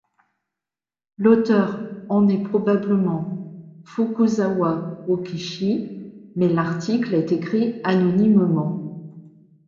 L'auteur en est probablement Fukuzawa Yukichi mais l'article est écrit anonymement.